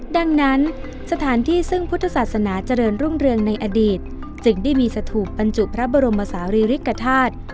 ดังนั้นสถานที่ซึ่งพุทธศาสนาเจริญรุ่งเรืองในอดีตจึงได้มีสถูปบรรจุพระบรมศาลีริกฐาตุ